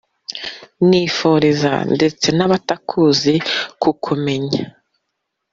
nifuriza ndetse n'abatakuzi kukumenya ;